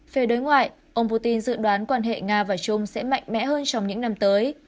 về đối ngoại ông putin dự đoán quan hệ nga và trung sẽ mạnh mẽ hơn trong những năm tới